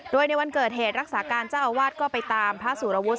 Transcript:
โดยในวันเกิดเหตุรักษาการเจ้าอาวาสก็ไปตามพระสุรวุฒิ